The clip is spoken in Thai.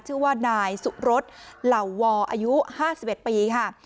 ชื่อว่านายสุรสเหล่าวออายุห้าสิบเอ็ดปีค่ะ